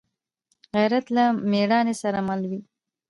غیرت له مړانې سره مل وي